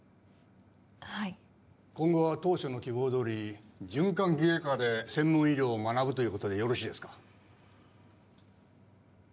はい今後は当初の希望どおり循環器外科で専門医療を学ぶということでよろしいですか？